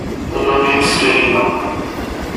The law needs tidying up.